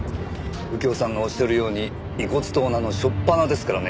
右京さんがおっしゃるように遺骨盗難の初っぱなですからね。